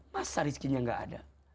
masa rizkinya gak ada